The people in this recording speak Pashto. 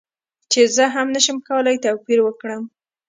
چې زه هم نشم کولی توپیر وکړم